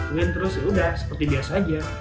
oke bisa dilakuin terus ya udah seperti biasa aja